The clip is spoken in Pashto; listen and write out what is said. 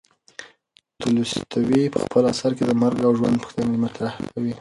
تولستوی په خپل اثر کې د مرګ او ژوند پوښتنې مطرح کوي.